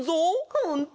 ほんと？